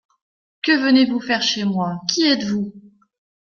Que venez-vous faire chez moi? Qui êtes-vous ?